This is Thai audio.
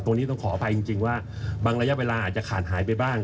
ต้องขออภัยจริงว่าบางระยะเวลาอาจจะขาดหายไปบ้าง